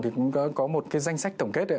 thì cũng có một cái danh sách tổng kết